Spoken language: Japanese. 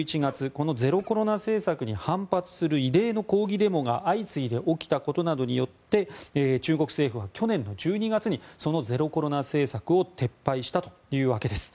このゼロコロナ政策に反発する異例の抗議デモが相次いで起きたことなどによって中国政府は去年の１２月にそのゼロコロナ政策を撤廃したというわけです。